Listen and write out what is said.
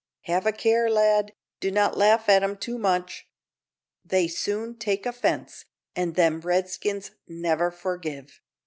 "Have a care, lad; do not laugh at 'em too much. They soon take offence; an' them Redskins never forgive."